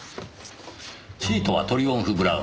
シートはトリオンフ・ブラウン。